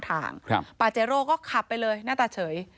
ปาเจโร่ก็ขับไปเลยหน้าตาเฉย